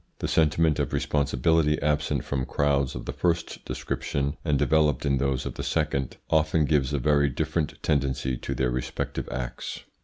The sentiment of responsibility absent from crowds of the first description and developed in those of the second often gives a very different tendency to their respective acts.